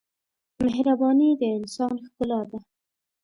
مهرباني د انسان ښکلا ده.